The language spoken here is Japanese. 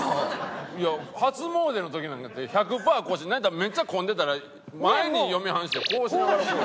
いや初詣の時なんて１００パー腰なんやったらめっちゃ混んでたら前に嫁はんしてこうしながらこう。